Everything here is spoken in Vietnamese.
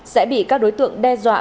sẽ bị các đối tượng đe dọa